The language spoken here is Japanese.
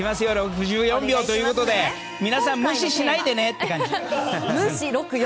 ６４秒ということで皆さん無視しないでねって感じ。